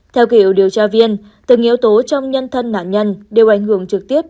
theo kiểu điều tra viên từng yếu tố trong nhân thân nạn nhân đều ảnh hưởng trực tiếp